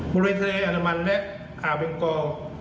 บริเวณทะเลอันดามันและอ่าวเบงกอ